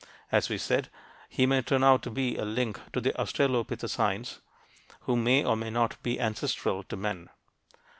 As we said, he may turn out to be a link to the australopithecines, who may or may not be ancestral to men.